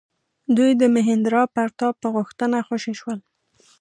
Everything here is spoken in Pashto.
دوی د مهیندرا پراتاپ په غوښتنه خوشي شول.